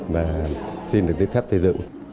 mà xin được giấy phép xây dựng